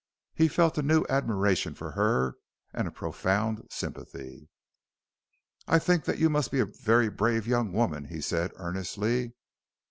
He felt a new admiration for her and a profound sympathy. "I think that you must be a very brave young woman," he said earnestly.